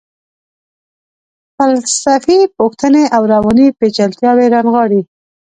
فلسفي پوښتنې او رواني پیچلتیاوې رانغاړي.